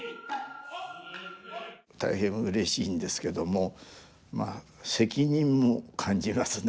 大変うれしいんですけどもまあ責任も感じますね